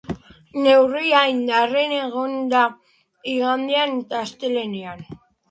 Neurria indarrean egongo da igandean eta astelehenean.